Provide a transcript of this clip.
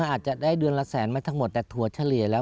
อาจจะได้เดือนละแสนมาทั้งหมดแต่ถั่วเฉลี่ยแล้ว